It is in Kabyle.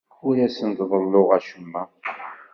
Ur asent-ḍelluɣ acemma.